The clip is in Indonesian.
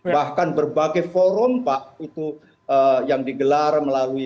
bahkan berbagai forum pak itu yang digelar melalui